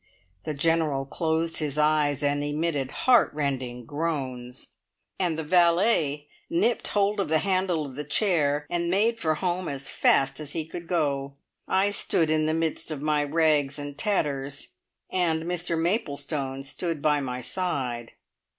The General closed his eyes and emitted heart rending groans, and the valet nipped hold of the handle of the chair and made for home as fast as he could go. I stood in the midst of my rags and tatters, and Mr Maplestone stood by my side.